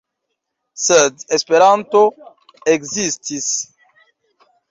Sed Esperanto ekzistis!